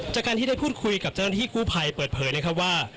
จากการที่ได้พูดคุยกับเจ้าหน้าที่กู้ภัยเปิดเผยนะครับว่า